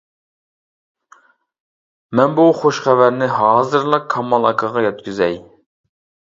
مەن بۇ خۇش خەۋەرنى ھازىرلا كامال ئاكىغا يەتكۈزەي.